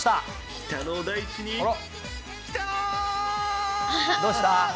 北の大地に来たー！